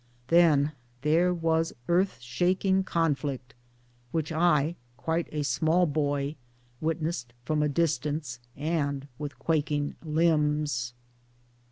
Then there was earth shaking conflict, which I, quite a small boy, witnessed from a distance, and with quaking limbs.